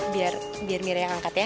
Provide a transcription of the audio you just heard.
biar biar mira yang angkat ya